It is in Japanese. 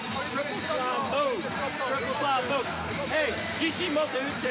自信持って、打って。